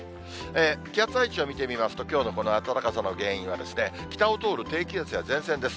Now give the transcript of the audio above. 気圧配置を見てみますと、きょうのこの暖かさの原因は、北を通る低気圧や前線です。